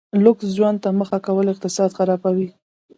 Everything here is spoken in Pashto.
لوکس ژوند ته مخه کول اقتصاد خرابوي.